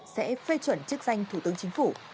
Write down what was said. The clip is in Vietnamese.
sẽ phê chuẩn chức danh thủ tướng chính phủ